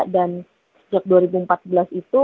dan sejak dua ribu empat belas itu